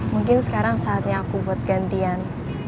mungkin sekarang saatnya aku buat gantian